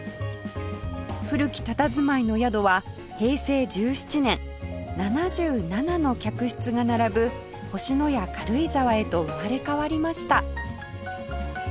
古きたたずまいの宿は平成１７年７７の客室が並ぶ星のや軽井沢へと生まれ変わりました